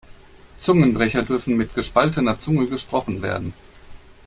Zungenbrecher dürfen mit gespaltener Zunge gesprochen werden.